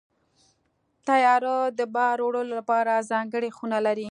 طیاره د بار وړلو لپاره ځانګړې خونې لري.